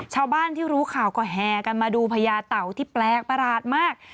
ชาวบ้านที่รู้ข่าวก็แห่กันมาดูพญาเต่าที่แปลกประหลาดมาก